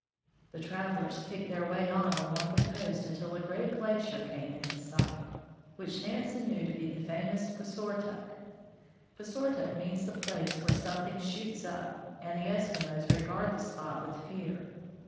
The travelers picked their way on along the coast until a great glacier came in sight, which Nansen knew to be the famous Puisortok. Puisortok means the place where some thing shoots up, and the Eskimos regard the spot with fear.